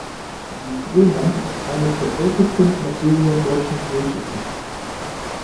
Die "Grönland" ist eines der ältesten noch segelnden deutschen Seeschiffe.